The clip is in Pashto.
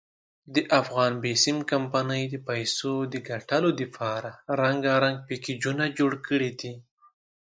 دافغان بېسیم کمپنۍ د پیسو دګټلو ډپاره رنګارنګ پېکېجونه جوړ کړي دي.